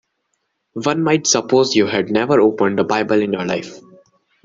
One might suppose you had never opened a Bible in your life.